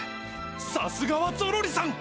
さすがはゾロリさん！